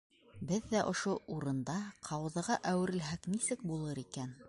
Беҙ ҙә ошо урында ҡауҙыға әүерелһәк, нисек булыр икән?